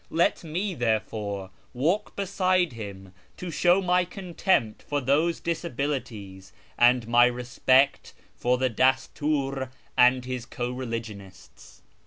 Let me, therefore, walk beside him to show my contempt for those disabilities, and my respect for the Dastur and his co religionists."